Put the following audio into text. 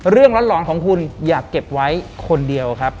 เรื่องร้อนของคุณอย่าเก็บไว้คนเดียวครับ